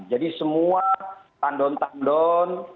jadi semua tandon tandon